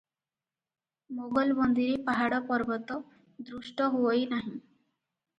ମୋଗଲବନ୍ଦୀରେ ପାହାଡ଼ପର୍ବତ ଦୃଷ୍ଟ ହୁଅଇ ନାହିଁ ।